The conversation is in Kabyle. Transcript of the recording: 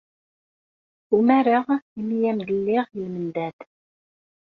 Umareɣ imi ay am-d-lliɣ i lmendad.